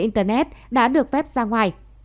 internet đã được phép ra ngoài